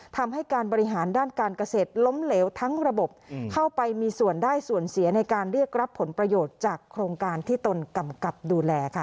ทำให้การบริหารด้านการเกษตรล้มเหลวทั้งระบบเข้าไปมีส่วนได้ส่วนเสียในการเรียกรับผลประโยชน์จากโครงการที่ตนกำกับดูแลค่ะ